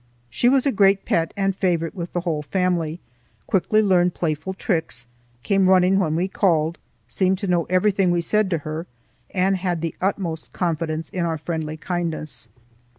She was a great pet and favorite with the whole family, quickly learned playful tricks, came running when we called, seemed to know everything we said to her, and had the utmost confidence in our friendly kindness.